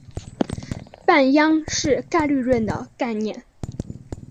半鞅是概率论的概念。